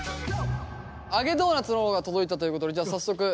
揚げドーナツの方が届いたということでじゃあ早速頂きますか？